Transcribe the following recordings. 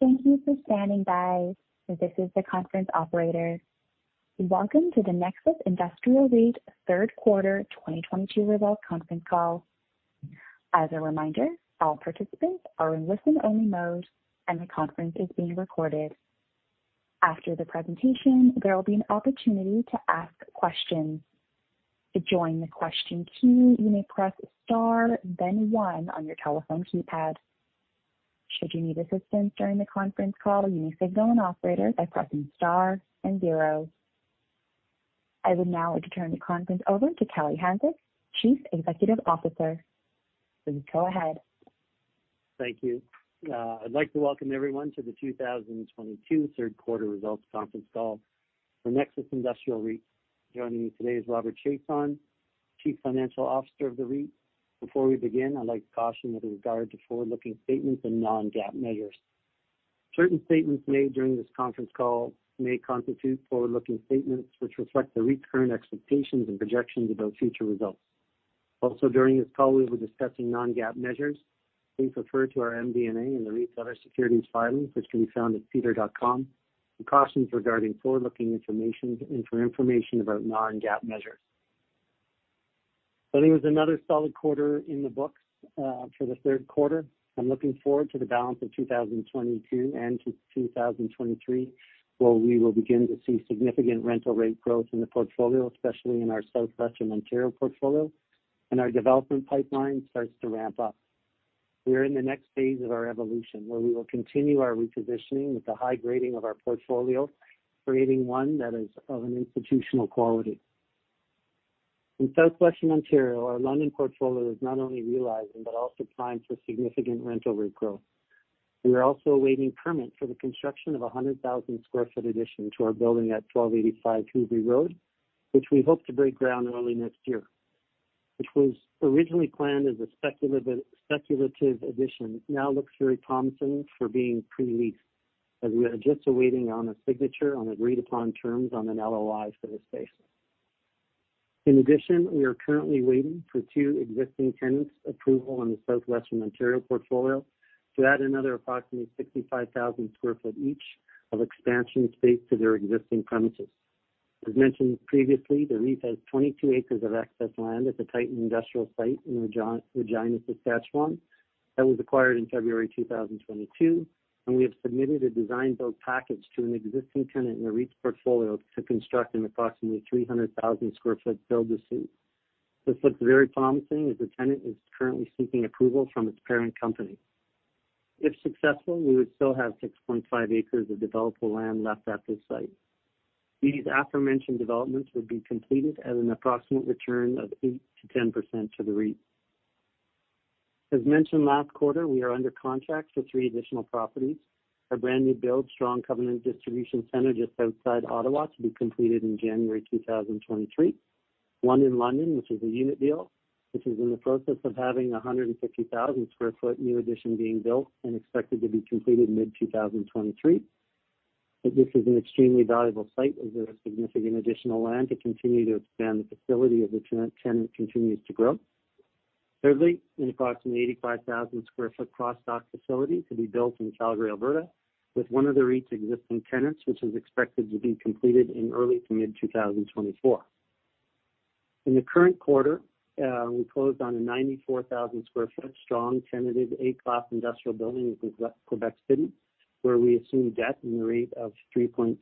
Thank you for standing by. This is the conference operator. Welcome to the Nexus Industrial REIT Q3 2022 Results Conference Call. As a reminder, all participants are in listen-only mode, and the conference is being recorded. After the presentation, there will be an opportunity to ask questions. To join the question queue, you may press star then one on your telephone keypad. Should you need assistance during the conference call, you may signal an operator by pressing star and zero. I would now like to turn the conference over to Kelly Hanczyk, Chief Executive Officer. Please go ahead. Thank you. I'd like to welcome everyone to the 2022 Q3 results conference call for Nexus Industrial REIT. Joining me today is Robert Chiasson, Chief Financial Officer of the REIT. Before we begin, I'd like to caution with regard to forward-looking statements and non-GAAP measures. Certain statements made during this conference call may constitute forward-looking statements which reflect the REIT's current expectations and projections about future results. Also, during this call, we'll be discussing non-GAAP measures. Please refer to our MD&A in the REIT's other securities filings, which can be found at sedar.com, and cautions regarding forward-looking information and for information about non-GAAP measures. I think it was another solid quarter in the books for the Q3. I'm looking forward to the balance of 2022 and to 2023, where we will begin to see significant rental rate growth in the portfolio, especially in our Southwestern Ontario portfolio, and our development pipeline starts to ramp up. We are in the next phase of our evolution, where we will continue our repositioning with the high grading of our portfolio, creating one that is of an institutional quality. In Southwestern Ontario, our London portfolio is not only realizing but also applying for significant rental rate growth. We are also awaiting permit for the construction of a 100,000 sq ft addition to our building at 1285 Hubrey Road, which we hope to break ground early next year. Which was originally planned as a speculative addition now looks very promising for being pre-leased as we are just awaiting on a signature on agreed upon terms on an LOI for the space. In addition, we are currently waiting for two existing tenants' approval on the southwestern Ontario portfolio to add another approximately 65,000 sq ft each of expansion space to their existing premises. As mentioned previously, the REIT has 22 acres of excess land at the Titan industrial site in Regina, Saskatchewan, that was acquired in February 2022, and we have submitted a design build package to an existing tenant in the REIT's portfolio to construct an approximately 300,000 sq ft build to suit. This looks very promising as the tenant is currently seeking approval from its parent company. If successful, we would still have 6.5 acres of developable land left at this site. These aforementioned developments would be completed at an approximate return of 8%-10% to the REIT. As mentioned last quarter, we are under contract for three additional properties. A brand new build, strong covenant distribution center just outside Ottawa to be completed in January 2023. One in London, which is a unit deal, which is in the process of having a 150,000 sq ft new addition being built and expected to be completed mid-2023. This is an extremely valuable site with a significant additional land to continue to expand the facility as the 10-tenant continues to grow. Thirdly, an approximately 85,000 sq ft cross-dock facility to be built in Calgary, Alberta, with one of the REIT's existing tenants, which is expected to be completed in early to mid-2024. In the current quarter, we closed on a 94,000 sq ft, strong tenanted A-class industrial building in Quebec City, where we assumed debt in the rate of 3.63%.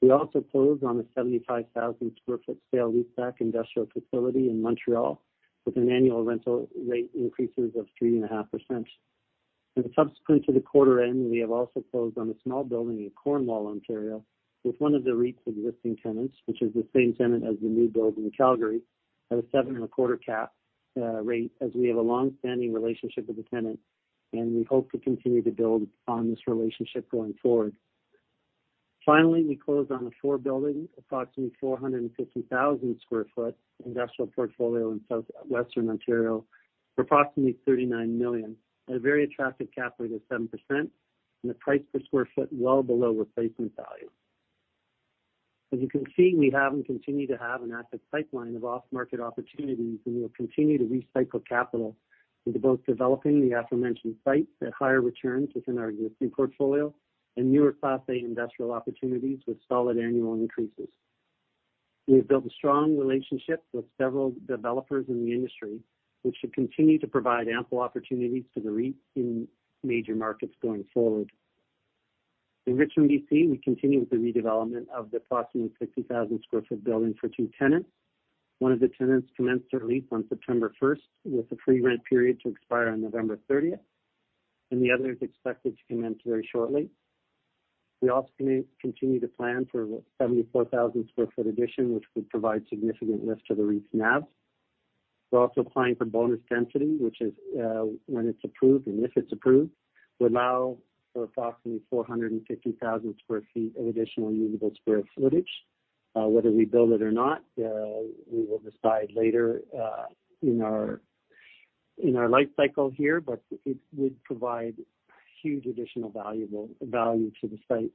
We also closed on a 75,000 sq ft sale-leaseback industrial facility in Montreal with an annual rental rate increases of 3.5%. Subsequent to the quarter end, we have also closed on a small building in Cornwall, Ontario, with one of the REIT's existing tenants, which is the same tenant as the new build in Calgary, at a 7.25% cap rate as we have a long-standing relationship with the tenant, and we hope to continue to build on this relationship going forward. Finally, we closed on a four-building, approximately 450,000 sq ft industrial portfolio in Southwestern Ontario for approximately 39 million at a very attractive cap rate of 7% and a price per square foot well below replacement value. As you can see, we have and continue to have an active pipeline of off-market opportunities, and we will continue to recycle capital into both developing the aforementioned sites at higher returns within our existing portfolio and newer Class A industrial opportunities with solid annual increases. We have built strong relationships with several developers in the industry, which should continue to provide ample opportunities for the REIT in major markets going forward. In Richmond, BC, we continue with the redevelopment of the approximately 50,000 sq ft building for two tenants. One of the tenants commenced their lease on September 1, with the free rent period to expire on November 30, and the other is expected to commence very shortly. We also continue to plan for a 74,000 sq ft addition, which would provide significant lift to the REIT's NAV. We're also applying for bonus density, which is, when it's approved and if it's approved, would allow for approximately 450,000 sq ft of additional usable square footage. Whether we build it or not, we will decide later, in our life cycle here, but it would provide huge additional value to the site.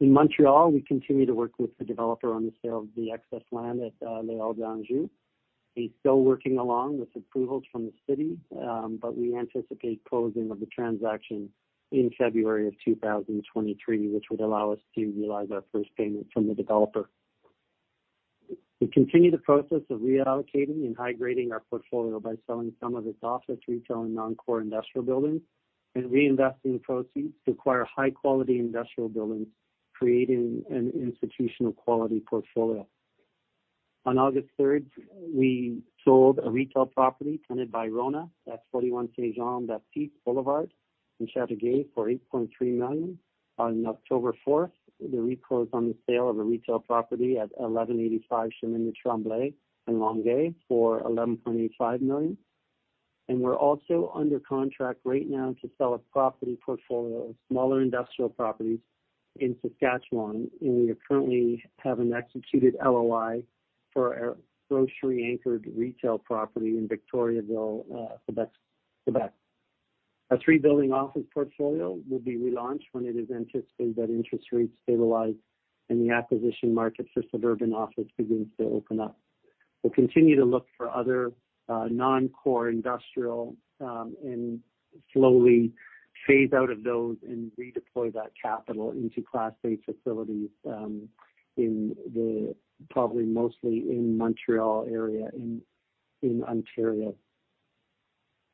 In Montreal, we continue to work with the developer on the sale of the excess land at Les Auberges Giguère. He's still working along with approvals from the city, but we anticipate closing of the transaction in February of 2023, which would allow us to realize our first payment from the developer. We continue the process of reallocating and high-grading our portfolio by selling some of its office, retail, and non-core industrial buildings and reinvesting proceeds to acquire high quality industrial buildings, creating an institutional quality portfolio. On August third, we sold a retail property tenanted by RONA. That's 41 Saint-Jean-Baptiste Boulevard in Châteauguay for 8.3 million. On October fourth, the REIT closed on the sale of a retail property at 1,185 Chemin de Tremblay in Longueuil for 11.85 million. We're also under contract right now to sell a property portfolio of smaller industrial properties in Saskatchewan, and we currently have an executed LOI for a grocery-anchored retail property in Victoriaville, Quebec. A three-building office portfolio will be relaunched when it is anticipated that interest rates stabilize and the acquisition markets for suburban office begins to open up. We'll continue to look for other non-core industrial and slowly phase out of those and redeploy that capital into Class B facilities probably mostly in Montréal area in Ontario.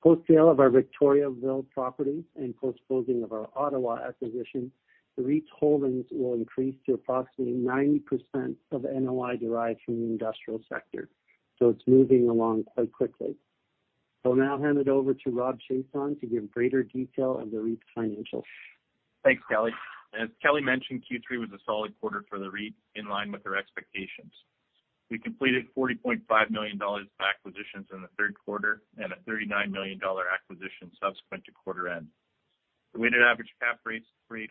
Post-sale of our Victoriaville property and post-closing of our Ottawa acquisition, the REIT's holdings will increase to approximately 90% of NOI derived from the industrial sector, so it's moving along quite quickly. I'll now hand it over to Robert Chiasson to give greater detail on the REIT's financials. Thanks, Kelly. As Kelly mentioned, Q3 was a solid quarter for the REIT in line with our expectations. We completed 40.5 million dollars of acquisitions in the Q3 and a 39 million dollar acquisition subsequent to quarter end. The weighted average cap rate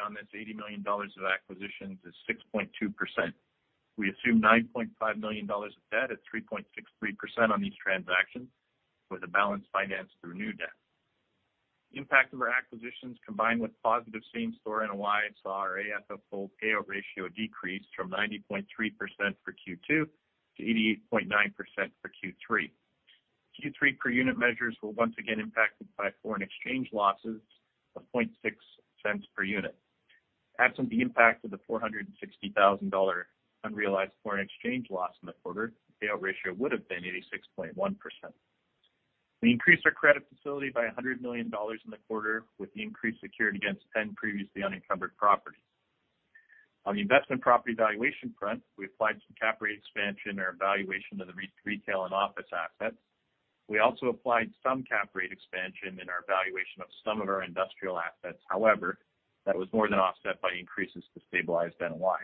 on this 80 million dollars of acquisitions is 6.2%. We assumed 9.5 million dollars of debt at 3.63% on these transactions with balance financed through new debt. The impact of our acquisitions, combined with positive same-store NOI, saw our AFFO payout ratio decrease from 90.3% for Q2 to 88.9% for Q3. Q3 per unit measures were once again impacted by foreign exchange losses of 0.006 per unit. Absent the impact of the 460,000 dollar unrealized foreign exchange loss in the quarter, the payout ratio would have been 86.1%. We increased our credit facility by 100 million dollars in the quarter, with the increase secured against 10 previously unencumbered properties. On the investment property valuation front, we applied some cap rate expansion or valuation to the REIT's retail and office assets. We also applied some cap rate expansion in our valuation of some of our industrial assets. However, that was more than offset by increases to stabilized NOI.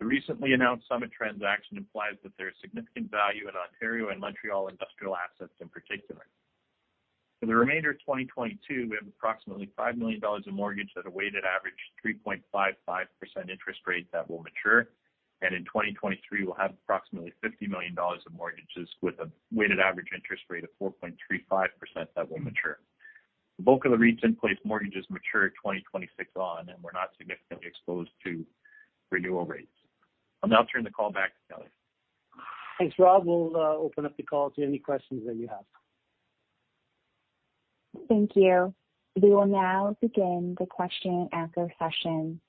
The recently announced Summit transaction implies that there is significant value in Ontario and Montreal industrial assets in particular. For the remainder of 2022, we have approximately 5 million dollars of mortgage at a weighted average 3.55% interest rate that will mature. In 2023, we'll have approximately 50 million dollars of mortgages with a weighted average interest rate of 4.35% that will mature. The bulk of the REIT's in-place mortgages mature 2026 on, and we're not significantly exposed to renewal rates. I'll now turn the call back to Kelly. Thanks, Rob. We'll open up the call to any questions that you have. Thank you. We will now begin the question and answer session.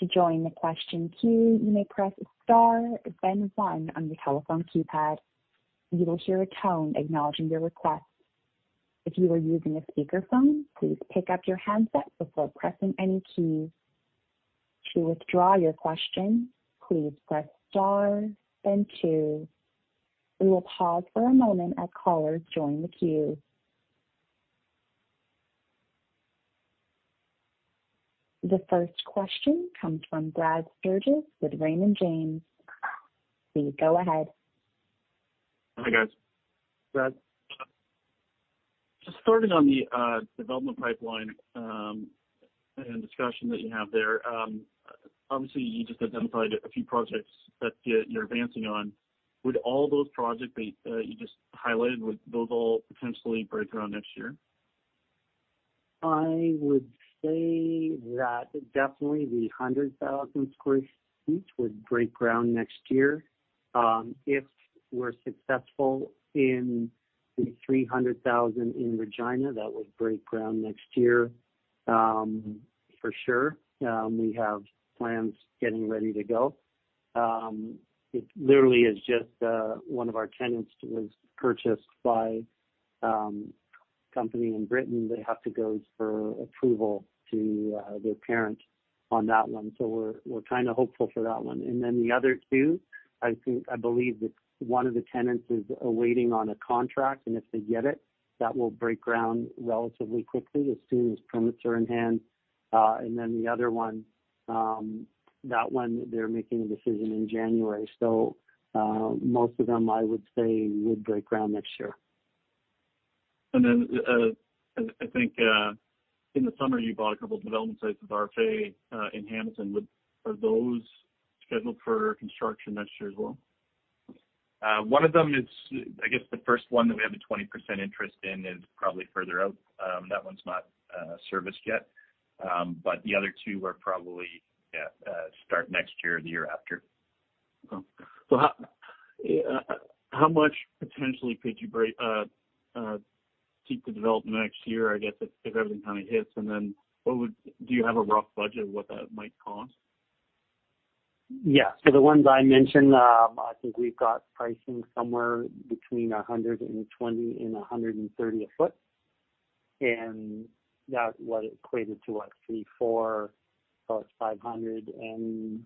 To join the question queue, you may press star then one on your telephone keypad. You will hear a tone acknowledging your request. If you are using a speakerphone, please pick up your handset before pressing any keys. To withdraw your question, please press star then two. We will pause for a moment as callers join the queue. The first question comes from Brad Sturges with Raymond James. Please go ahead. Hi, guys. Brad. Just starting on the development pipeline and discussion that you have there, obviously, you just identified a few projects that you're advancing on. Would all those projects that you just highlighted potentially break ground next year? I would say that definitely the 100,000 sq ft would break ground next year. If we're successful in the 300,000 in Regina, that would break ground next year, for sure. We have plans getting ready to go. It literally is just one of our tenants was purchased by company in Britain. They have to go for approval to their parent on that one. We're kind of hopeful for that one. The other two, I believe it's one of the tenants is awaiting on a contract, and if they get it, that will break ground relatively quickly as soon as permits are in hand. The other one, that one, they're making a decision in January. Most of them, I would say, would break ground next year. I think in the summer, you bought a couple development sites with RFA, in Hamilton. Are those scheduled for construction next year as well? One of them is, I guess, the first one that we have a 20% interest in is probably further out. That one's not serviced yet. The other two are probably start next year or the year after. How much potentially could you seek to develop next year, I guess, if everything kind of hits? Do you have a rough budget of what that might cost? Yeah. The ones I mentioned, I think we've got pricing somewhere between 120 and 130 a foot. That would equate it to about 500 and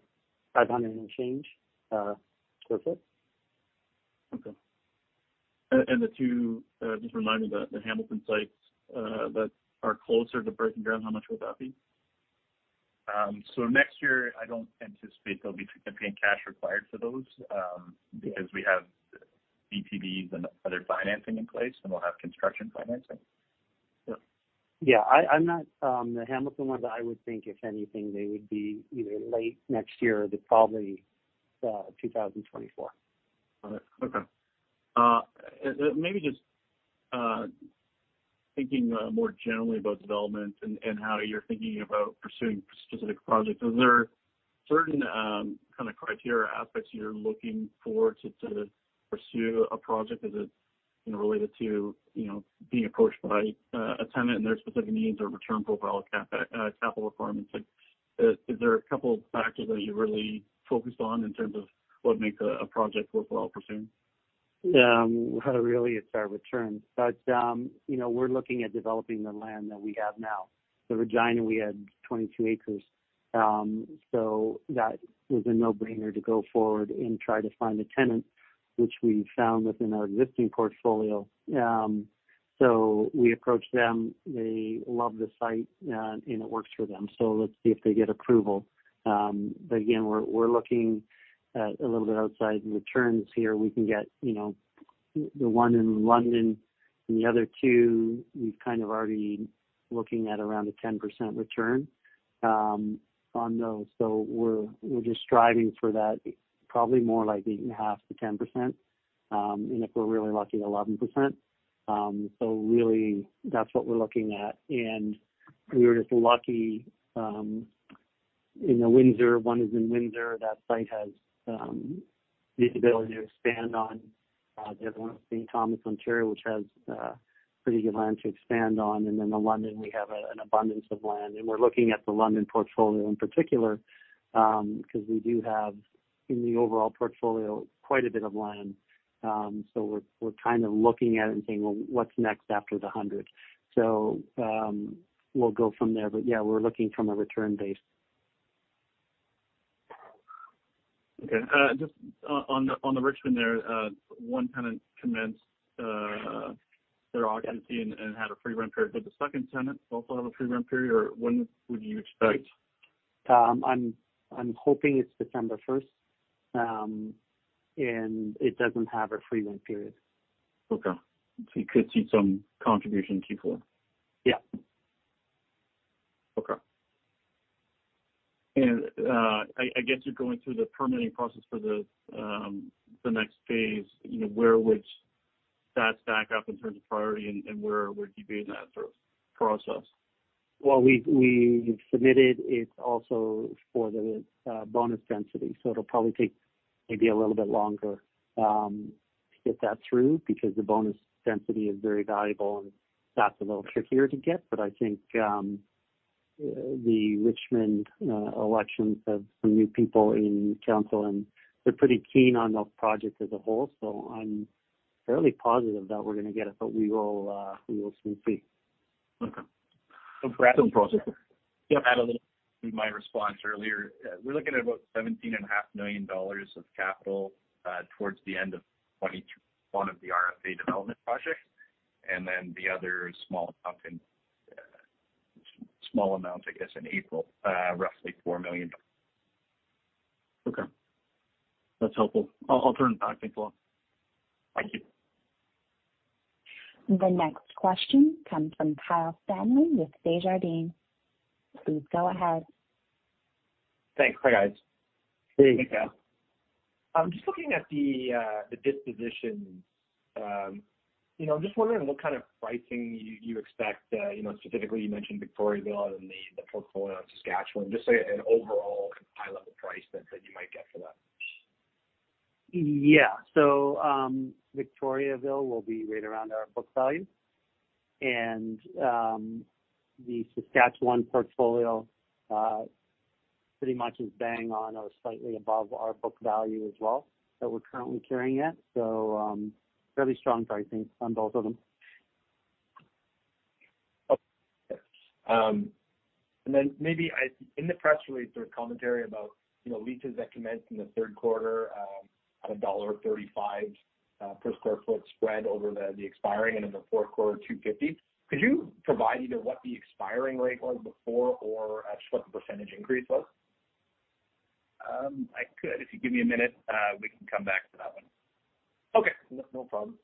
change per foot. Okay. The two just remind me the Hamilton sites that are closer to breaking ground, how much would that be? Next year, I don't anticipate there'll be significant cash required for those, because we have VTBs and other financing in place, and we'll have construction financing. Yeah. The Hamilton ones, I would think, if anything, they would be either late next year to probably 2024. All right. Okay. Maybe just thinking more generally about development and how you're thinking about pursuing specific projects. Are there certain kind of criteria or aspects you're looking for to pursue a project? Is it, you know, related to, you know, being approached by a tenant and their specific needs or return profile capital requirements? Like, is there a couple of factors that you're really focused on in terms of what makes a project worthwhile pursuing? Really it's our return. You know, we're looking at developing the land that we have now. The Regina, we had 22 acres. That was a no-brainer to go forward and try to find a tenant, which we found within our existing portfolio. We approached them. They love the site, and it works for them. Let's see if they get approval. Again, we're looking at a little bit outsize returns here. We can get, you know, the one in London and the other two, we've kind of already looking at around a 10% return on those. We're just striving for that, probably more like 8.5%-10%, and if we're really lucky, 11%. Really that's what we're looking at. We were just lucky in Windsor. One is in Windsor that site has the ability to expand on. The other one is in St. Thomas, Ontario, which has pretty good land to expand on. The London, we have an abundance of land. We're looking at the London portfolio in particular because we do have in the overall portfolio quite a bit of land. We're kind of looking at it and saying, "Well, what's next after the 100?" We'll go from there. Yeah, we're looking from a return base. Okay. Just on the Richmond there, one tenant commenced their occupancy and had a free rent period. Did the second tenant also have a free rent period, or when would you expect? I'm hoping it's December first. It doesn't have a free rent period. Okay. You could see some contribution in Q4. Yeah. Okay. I guess you're going through the permitting process for the next phase. You know, where would that stack up in terms of priority, and where do you be in that sort of process? Well, we've submitted it also for the bonus density, so it'll probably take maybe a little bit longer to get that through because the bonus density is very valuable, and that's a little trickier to get. I think the Richmond elections have some new people in council, and they're pretty keen on the project as a whole. I'm fairly positive that we're gonna get it, but we will soon see. Okay. To add a little to my response earlier, we're looking at about 17 and a half million of capital towards the end of 2021 of the RFA development project, and then the other small amount, I guess, in April, roughly 4 million dollars. Okay. That's helpful. I'll turn it back to Claude. Thank you. The next question comes from Kyle Stanley with Desjardins. Please go ahead. Thanks. Hi, guys. Hey. Hey, Kyle. I'm just looking at the dispositions. You know, I'm just wondering what kind of pricing you expect, you know, specifically you mentioned Victoriaville and the portfolio in Saskatchewan, just, like, an overall high level price that you might get for that. Yeah. Victoriaville will be right around our book value. The Saskatchewan portfolio pretty much is bang on or slightly above our book value as well that we're currently carrying it. Fairly strong pricing on both of them. Okay. Maybe in the press release, there was commentary about, you know, leases that commenced in the Q3 at dollar 1.35 per sq ft spread over the expiring and in the Q4, 2.50. Could you provide either what the expiring rate was before or actually what the percentage increase was? I could. If you give me a minute, we can come back to that one. Okay. No, no problem.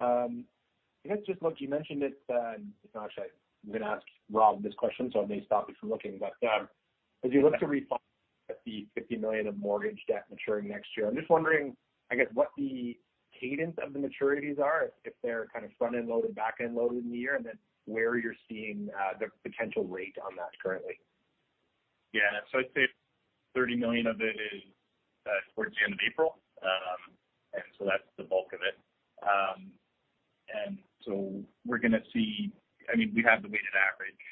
I guess just look, you mentioned it, actually I'm gonna ask Rob this question, so it may stop you from looking. As you look to refi the 50 million of mortgage debt maturing next year, I'm just wondering, I guess, what the cadence of the maturities are, if they're kind of front-end loaded, back-end loaded in the year, and then where you're seeing the potential rate on that currently. Yeah. I'd say 30 million of it is towards the end of April. That's the bulk of it. We're gonna see. I mean, we have the weighted average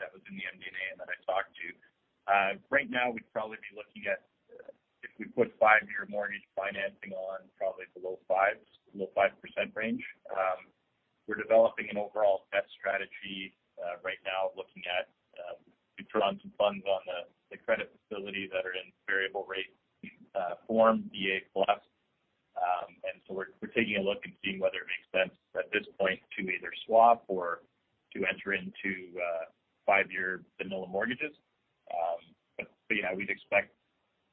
that was in the MD&A and that I talked to. Right now we'd probably be looking at, if we put 5-year mortgage financing on probably the low 5s, low 5% range. We're developing an overall debt strategy right now looking at we draw down some funds on the credit facility that are in variable rate form BA plus. We're taking a look and seeing whether it makes sense at this point to either swap or to enter into 5-year vanilla mortgages. Yeah, we'd expect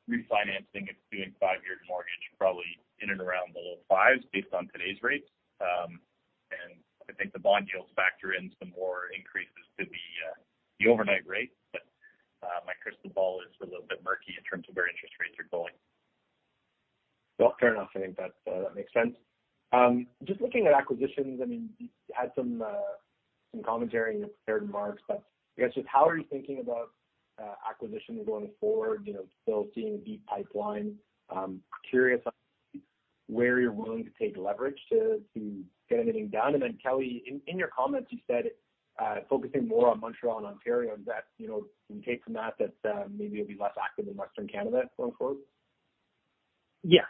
refinancing if doing 5-year mortgage probably in and around the low 5s based on today's rates. I think the bond yields factor into more increases to the overnight rate. My crystal ball is a little bit murky in terms of where interest rates are going. Well, fair enough. I think that makes sense. Just looking at acquisitions, I mean, you had some commentary in your prepared remarks, but I guess just how are you thinking about acquisitions going forward? You know, still seeing a deep pipeline. Curious on where you're willing to take leverage to get anything done. Then Kelly, in your comments you said focusing more on Montreal and Ontario. Is that, you know, can we take from that that maybe it'll be less active in Western Canada going forward? Yeah.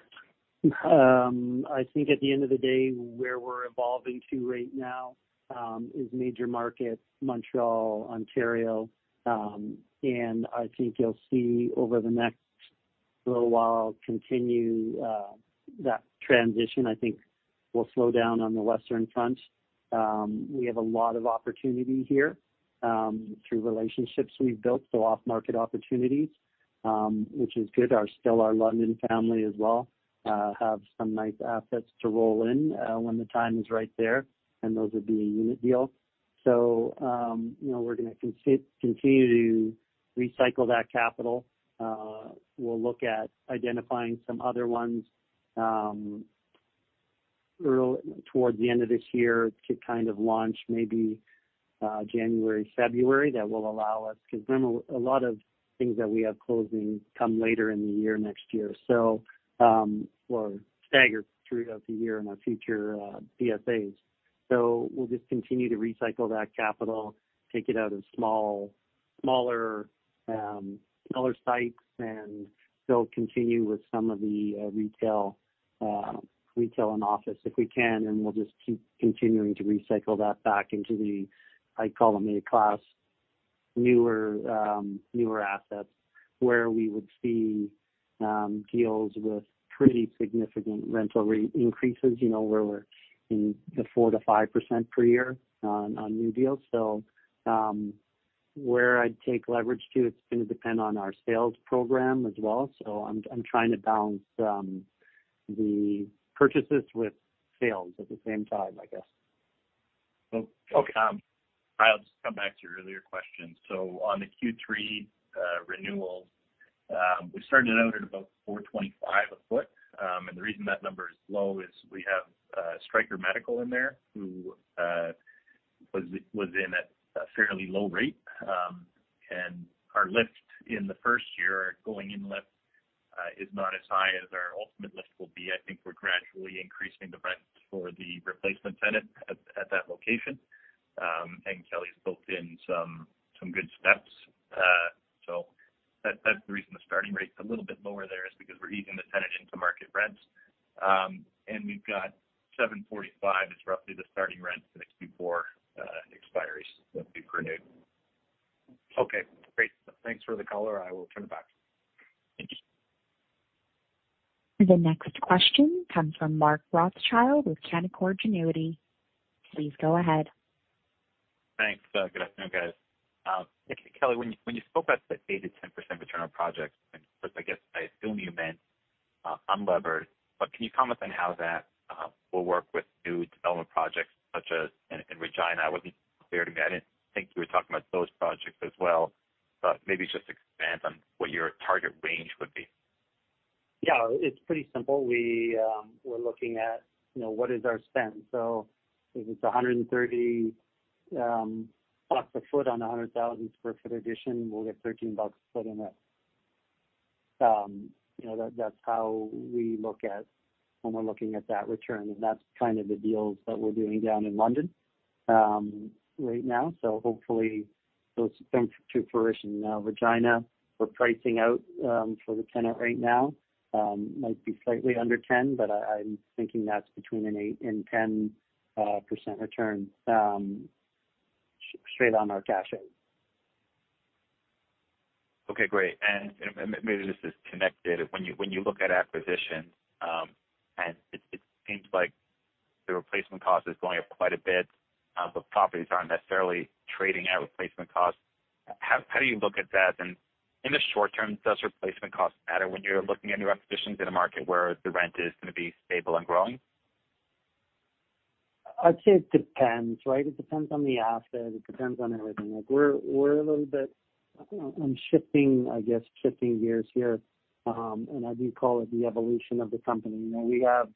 I think at the end of the day where we're evolving to right now is major markets, Montreal, Ontario. I think you'll see over the next little while continue that transition. I think we'll slow down on the Western front. We have a lot of opportunity here through relationships we've built, so off market opportunities, which is good. Still our London family as well have some nice assets to roll in when the time is right there, and those would be a unit deal. You know, we're gonna continue to recycle that capital. We'll look at identifying some other ones towards the end of this year to kind of launch maybe January, February. That will allow us. Because remember, a lot of things that we have closing come later in the year, next year. We're staggered throughout the year in our future PSAs. We'll just continue to recycle that capital, take it out of smaller sites, and they'll continue with some of the retail and office if we can. We'll just keep continuing to recycle that back into the, I call them A class newer assets, where we would see deals with pretty significant rental increases, you know, where we're in the 4%-5% per year on new deals. Where I'd take leverage too, it's gonna depend on our sales program as well. I'm trying to balance the purchases with sales at the same time, I guess. Okay. I'll just come back to your earlier question. On the Q3 renewals, we started out at about 425 a foot. The reason that number is low is we have Stryker in there who was in at a fairly low rate. Our lift in the first year, our going in lift, is not as high as our ultimate lift will be. I think we're gradually increasing the rent for the replacement tenant at that location. Kelly's booked in some good steps. That's the reason the starting rate's a little bit lower there is because we're easing the tenant into market rents. We've got 745 is roughly the starting rent for the Q4 expiries that we've renewed. Okay, great. Thanks for the color. I will turn it back. Thank you. The next question comes from Mark Rothschild with Canaccord Genuity. Please go ahead. Thanks. Good afternoon, guys. Kelly, when you spoke about the 8%-10% return on projects, and of course, I guess I assume you meant unlevered, but can you comment on how that will work with new development projects such as in Regina? It wasn't clear to me. I didn't think you were talking about those projects as well, but maybe just expand on what your target range would be. Yeah, it's pretty simple. We're looking at, you know, what is our spend. If it's 130 bucks a foot on a 100,000 sq ft addition, we'll get 13 bucks a foot in it. You know, that's how we look at when we're looking at that return. That's kind of the deals that we're doing down in London right now. Hopefully those come to fruition. Now, Regina, we're pricing out for the tenant right now. Might be slightly under 10, but I'm thinking that's between an 8%-10% return, straight on our cash in. Okay, great. Maybe this is connected. When you look at acquisitions, and it seems like the replacement cost is going up quite a bit, but properties aren't necessarily trading at replacement cost. How do you look at that? In the short term, does replacement costs matter when you're looking at new acquisitions in a market where the rent is gonna be stable and growing? I'd say it depends, right? It depends on the asset. It depends on everything. Like we're a little bit on shifting, I guess, shifting gears here. I do call it the evolution of the company. You know, we have.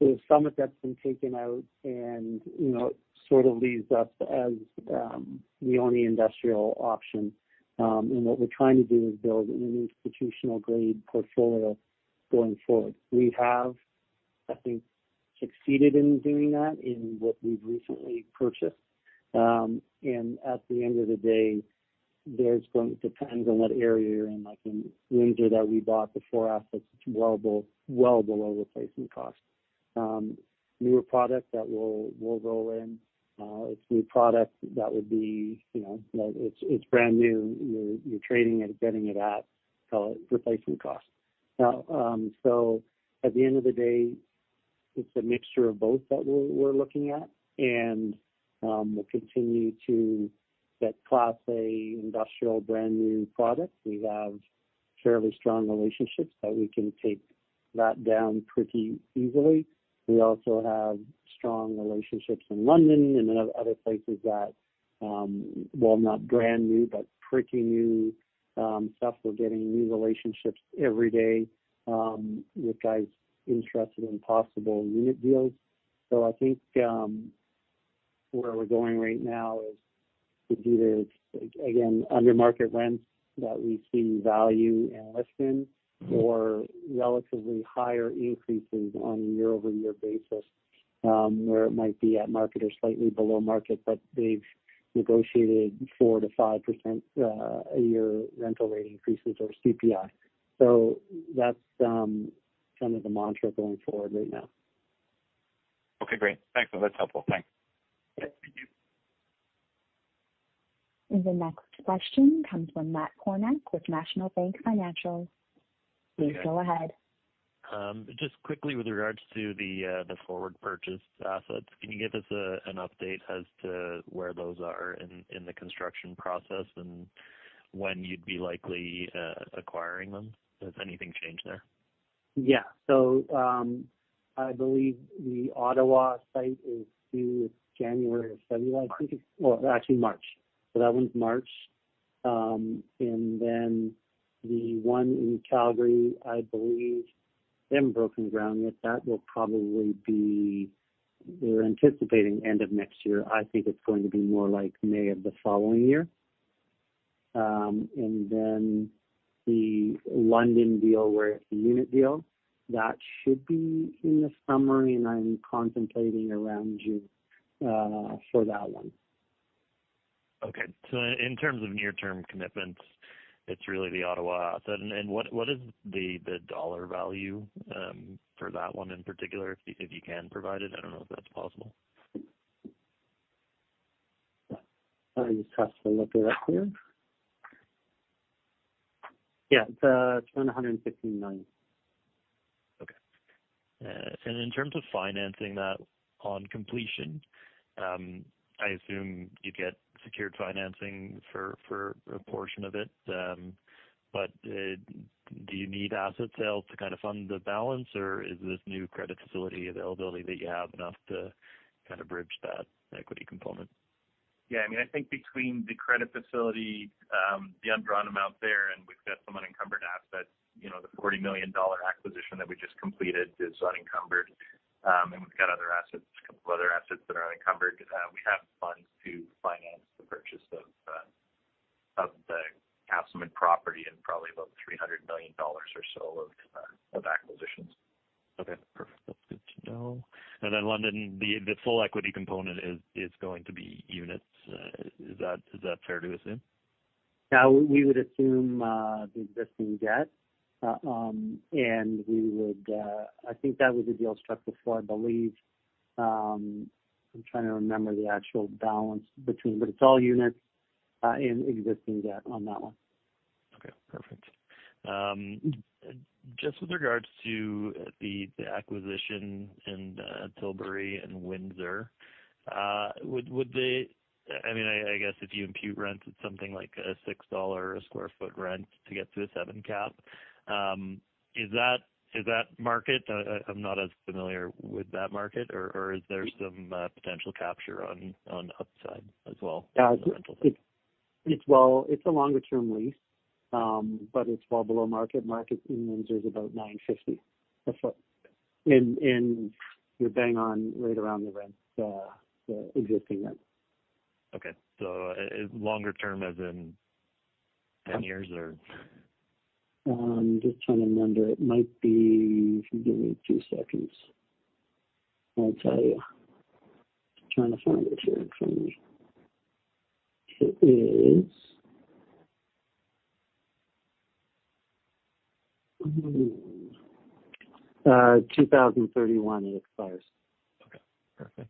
There's some that's been taken out and, you know, sort of leaves us as the only industrial option. What we're trying to do is build an institutional grade portfolio going forward. We have, I think, succeeded in doing that in what we've recently purchased. At the end of the day, depends on what area you're in. Like in Windsor that we bought before us, it's well below replacement cost. Newer product that we'll roll in, it's new product that would be, you know, like it's brand new. You're trading it, getting it at call it replacement cost. Now, at the end of the day, it's a mixture of both that we're looking at. We'll continue to get Class A industrial brand new products. We have fairly strong relationships that we can take that down pretty easily. We also have strong relationships in London and other places that, while not brand new, but pretty new, stuff. We're getting new relationships every day, with guys interested in possible unit deals. I think, where we're going right now is it's either, again, under market rents that we see value in listing or relatively higher increases on a year-over-year basis, where it might be at market or slightly below market, but they've negotiated 4%-5% a year rental rate increases or CPI. That's some of the mantra going forward right now. Okay, great. Thanks. Well, that's helpful. Thanks. Yeah. Thank you. The next question comes from Matt Kornack with National Bank Financial. Please go ahead. Hi. Just quickly with regards to the forward purchase assets, can you give us an update as to where those are in the construction process and when you'd be likely acquiring them? Has anything changed there? Yeah. I believe the Ottawa site is due January or February. I think it's actually March. That one's March. And then the one in Calgary, I believe they haven't broken ground yet. They're anticipating end of next year. I think it's going to be more like May of the following year. And then the London deal where it's a unit deal, that should be in the summer, and I'm contemplating around June for that one. Okay. In terms of near-term commitments, it's really the Ottawa asset. What is the dollar value for that one in particular, if you can provide it? I don't know if that's possible. Let me just have to look it up here. Yeah. It's CAD 115 million. Okay. In terms of financing that on completion, I assume you'd get secured financing for a portion of it. Do you need asset sales to kind of fund the balance, or is this new credit facility availability that you have enough to kind of bridge that equity component? Yeah. I mean, I think between the credit facility, the undrawn amount there, and we've got some unencumbered assets, you know, the 40 million dollar acquisition that we just completed is unencumbered. We've got other assets, a couple other assets that are unencumbered. We have funds to finance the purchase of the Usselman property and probably about 300 million dollars or so of acquisitions. Okay. Perfect. That's good to know. London, the full equity component is going to be units. Is that fair to assume? Yeah. We would assume the existing debt. I think that was the deal struck before, I believe. It's all units and existing debt on that one. Okay. Perfect. Just with regard to the acquisition in Tilbury and Windsor, would they—I mean, I guess if you impute rents at something like a 6 dollar a sq ft rent to get to a 7% cap, is that market? I'm not as familiar with that market? Or is there some potential capture on upside as well? Yeah. It's a longer term lease, but it's well below market. Market in Windsor is about 9.50 a foot. You're bang on right around the rent, the existing rent. Okay. Longer term as in 10 years or? I'm just trying to remember. If you give me two seconds, I'll tell you. I'm trying to find it here in front of me. It is 2031. It expires. Okay. Perfect.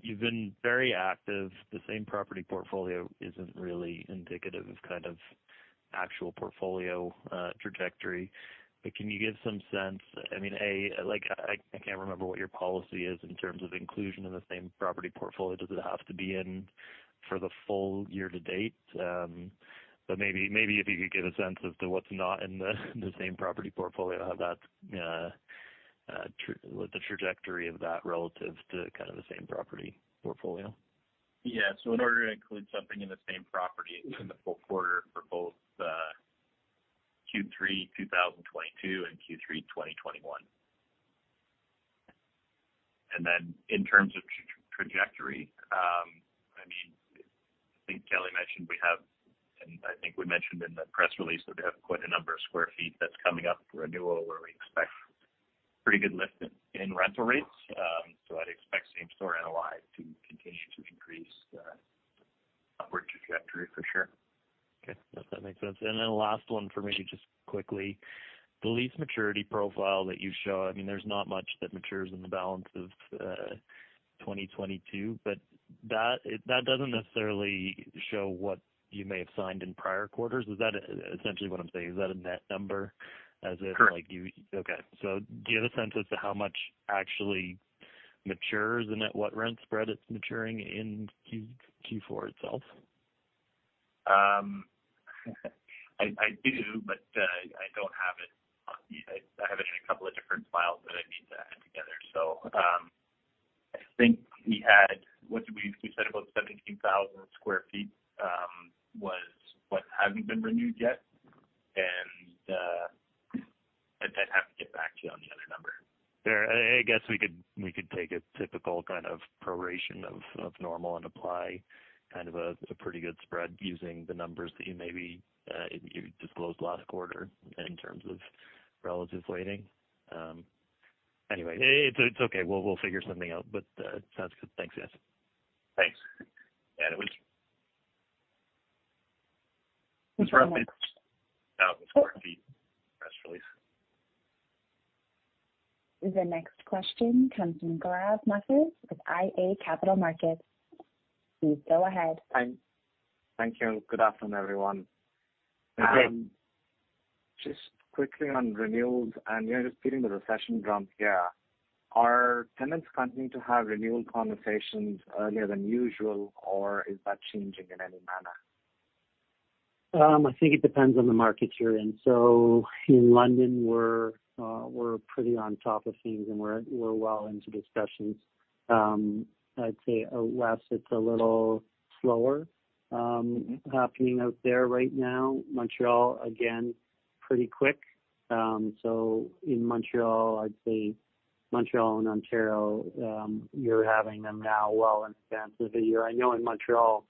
You've been very active. The same property portfolio isn't really indicative of kind of actual portfolio trajectory. Can you give some sense? I mean, A, like I can't remember what your policy is in terms of inclusion in the same property portfolio. Does it have to be in for the full year to date? Maybe if you could give a sense as to what's not in the same property portfolio, how that's the trajectory of that relative to kind of the same property portfolio. Yeah. In order to include something in the same property in the full quarter for both Q3, 2022 and Q3, 2021. In terms of trajectory, I mean, I think Kelly mentioned we have, and I think we mentioned in the press release that we have quite a number of sq ft that's coming up for renewal, where we expect pretty good lift in rental rates. I'd expect same store LOI to continue to increase upward trajectory for sure. Okay. Yes, that makes sense. Last one for me, just quickly. The lease maturity profile that you show, I mean, there's not much that matures in the balance of 2022, but that doesn't necessarily show what you may have signed in prior quarters. Is that essentially what I'm saying, is that a net number as if like you- Correct. Okay. Do you have a sense as to how much actually matures and at what rent spread it's maturing in Q4 itself? I do, but I don't have it on me. I have it in a couple of different files that I need to add together. I think we said about 17,000 sq ft was what hasn't been renewed yet. I'd have to get back to you on the other number. Sure. I guess we could take a typical kind of proration of normal and apply kind of a pretty good spread using the numbers that you maybe disclosed last quarter in terms of relative weighting. Anyway, it's okay. We'll figure something out, but sounds good. Thanks. Yes. Thanks. Yeah, no worries. No problem. 1,000 sq ft press release. The next question comes from Gaurav Mathur with iA Capital Markets. Please go ahead. Thank you and good afternoon, everyone. Hey. Just quickly on renewals, and you're just beating the recession drum here. Are tenants continuing to have renewal conversations earlier than usual, or is that changing in any manner? I think it depends on the market you're in. In London, we're pretty on top of things, and we're well into discussions. I'd say out west it's a little slower, happening out there right now. Montreal, again, pretty quick. In Montreal, I'd say Montreal and Ontario, you're having them now well in advance of the year. I know in Montreal,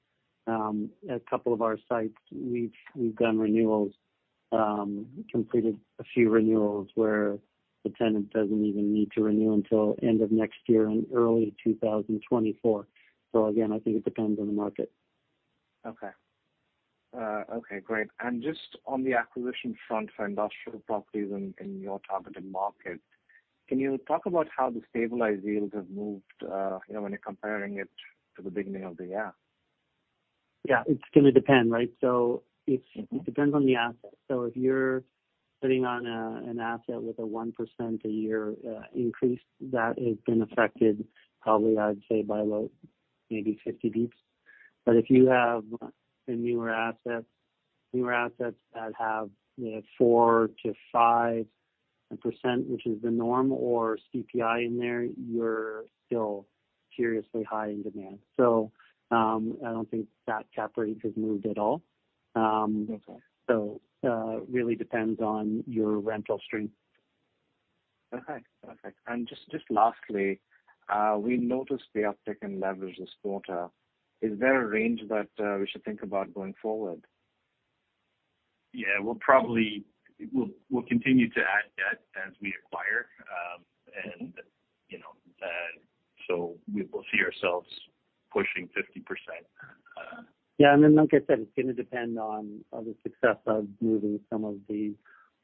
a couple of our sites we've done renewals, completed a few renewals where the tenant doesn't even need to renew until end of next year and early 2024. Again, I think it depends on the market. Okay, great. Just on the acquisition front for industrial properties in your targeted markets, can you talk about how the stabilized yields have moved, you know, when you're comparing it to the beginning of the year? Yeah, it's gonna depend, right? It depends on the asset. If you're sitting on an asset with a 1% a year increase, that has been affected probably, I'd say by about maybe 50 basis points. If you have newer assets that have, you know, 4%-5%, which is the norm, or CPI in there, you're still seriously high in demand. I don't think that cap rate has moved at all. Okay. really depends on your rental stream. Okay. Perfect. Just lastly, we noticed the uptick in leverage this quarter. Is there a range that we should think about going forward? Yeah, we'll continue to add debt as we acquire. You know, we will see ourselves pushing 50%. Yeah, and then like I said, it's gonna depend on the success of moving some of the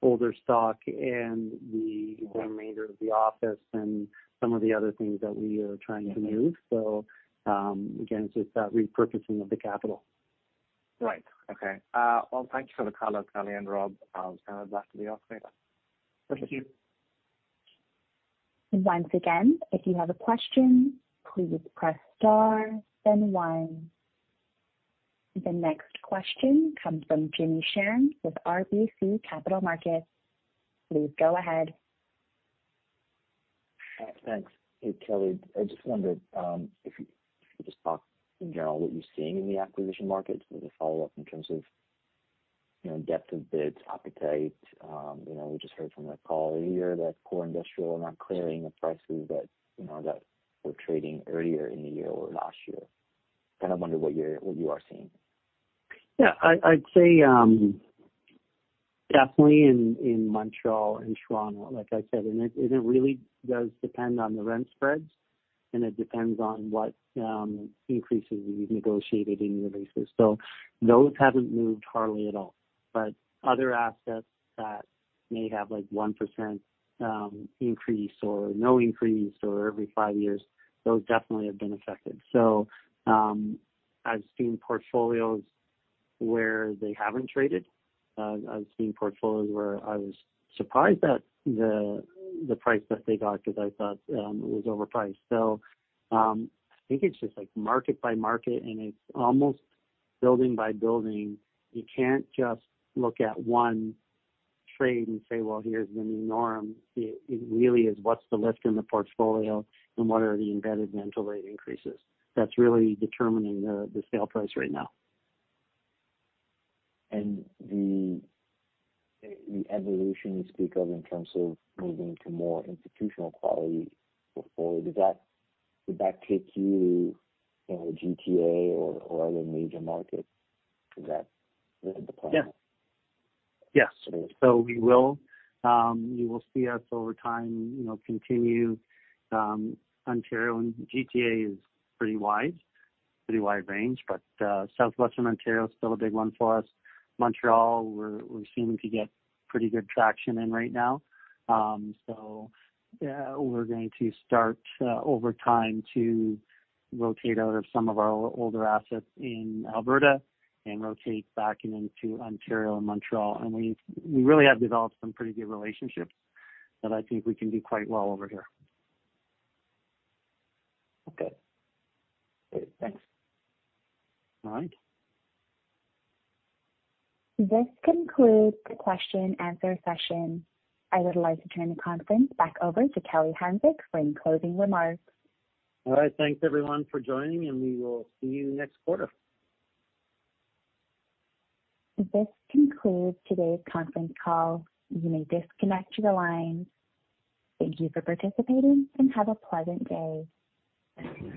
older stock and the remainder of the office and some of the other things that we are trying to move. Again, it's just that repurchasing of the capital. Right. Okay. Well, thank you for the color, Kelly and Rob. I'll turn it back to the operator. Thank you. Once again, if you have a question, please press star then one. The next question comes from Jimmy Shan with RBC Capital Markets. Please go ahead. Thanks. Hey, Kelly. I just wondered if you could just talk in general what you're seeing in the acquisition market as a follow-up in terms of, you know, depth of bids, appetite. You know, we just heard from that call earlier that core industrial are not clearing the prices that, you know, that were trading earlier in the year or last year. Kind of wonder what you are seeing. I'd say definitely in Montreal and Toronto, like I said, and it really does depend on the rent spreads, and it depends on what increases we've negotiated in the leases. Those haven't moved hardly at all. Other assets that may have like 1% increase or no increase or every five years. Those definitely have been affected. I've seen portfolios where they haven't traded. I've seen portfolios where I was surprised at the price that they got 'cause I thought it was overpriced. I think it's just like market by market, and it's almost building by building. You can't just look at one trade and say, well, here's the new norm. It really is what's the lift in the portfolio and what are the embedded rental rate increases. That's really determining the sale price right now. The evolution you speak of in terms of moving to more institutional quality before, would that take you to, you know, GTA or other major markets? Is that the plan? Yes. Yes. We will. You will see us over time, you know, continue Ontario, and GTA is pretty wide range, but Southwestern Ontario is still a big one for us. Montreal, we're seeming to get pretty good traction in right now. We're going to start over time to rotate out of some of our older assets in Alberta and rotate back into Ontario and Montreal. We really have developed some pretty good relationships that I think we can do quite well over here. Okay. Great. Thanks. All right. This concludes the question-answer session. I would like to turn the conference back over to Kelly Hanczyk for any closing remarks. All right. Thanks everyone for joining, and we will see you next quarter. This concludes today's conference call. You may disconnect your lines. Thank you for participating, and have a pleasant day.